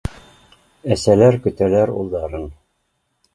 Әсәләр көтәләр улдарын